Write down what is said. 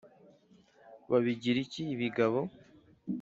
babigira iki ibigabo